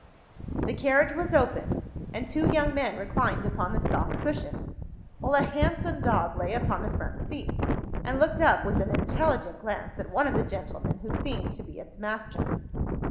The carriage was open, and two young men reclined upon the soft cushions, while a handsome dog lay upon the front seat, and looked up with an intelligent glance at one of the gentlemen, who seemed to be its master.